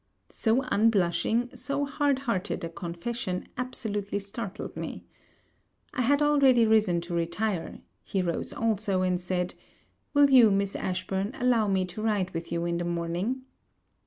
So unblushing, so hard hearted a confession absolutely startled me. I had already risen to retire, he rose also, and said, 'Will you, Miss Ashburn, allow me to ride with you in the morning?'